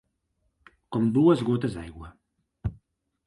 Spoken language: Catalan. Com dues gotes d'aigua.